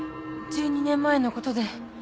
１２年前の事で。